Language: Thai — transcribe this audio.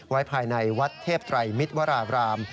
ไว้ภายในวัดเทพไตรมิตรวราบราม